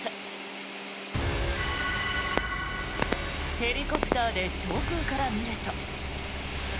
ヘリコプターで上空から見ると。